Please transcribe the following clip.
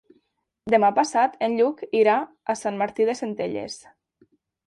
Demà passat en Lluc irà a Sant Martí de Centelles.